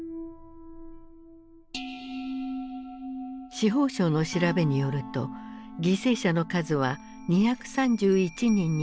司法省の調べによると犠牲者の数は２３１人に上った。